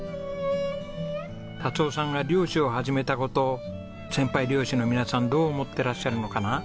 達雄さんが漁師を始めた事先輩漁師の皆さんどう思ってらっしゃるのかな？